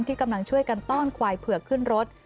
ที่กำลังช่วยกันต้อนควายเผือกขึ้นรถ